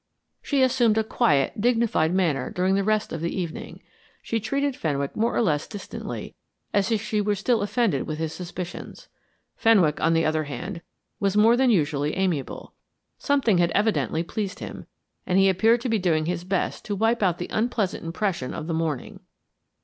She assumed a quiet, dignified manner during the rest of the evening. She treated Fenwick more or less distantly, as if she were still offended with his suspicions. Fenwick, on the other hand, was more than usually amiable. Something had evidently pleased him, and he appeared to be doing his best to wipe out the unpleasant impression of the morning.